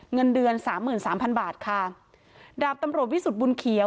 เงินเดือน๓๓๐๐๐บาทค่ะดาบตำรวจวิสุทธิ์บุญเขียว